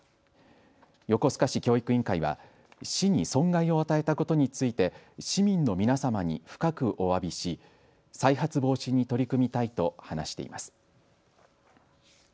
横須賀市教育委員会は市に損害を与えたことについて市民の皆様に深くおわびし再発防止に取り組みたいと話しています。